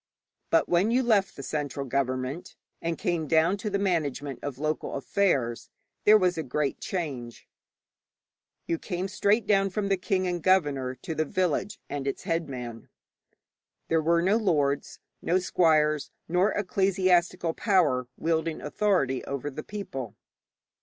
But when you left the central government, and came down to the management of local affairs, there was a great change. You came straight down from the king and governor to the village and its headman. There were no lords, no squires, nor ecclesiastical power wielding authority over the people.